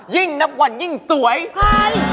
ยิ่งนับวันยิ่งสวยเฮ้ย